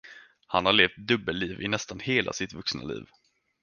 Han har levt dubbelliv i nästan hela sitt vuxna liv.